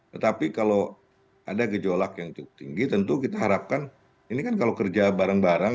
tetapi kalau ada gejolak yang cukup tinggi tentu kita harapkan ini kan kalau kerja bareng bareng